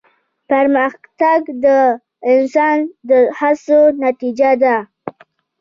پرمختګ د انسان د هڅو نتیجه ده.